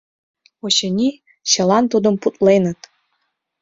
Очыни, чылан тудым путленыт.